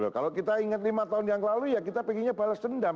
kalau kita ingat lima tahun yang lalu ya kita pengennya balas dendam